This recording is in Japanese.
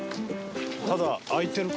ただ開いてるか？